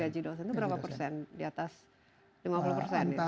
gaji dosen itu berapa persen di atas lima puluh persen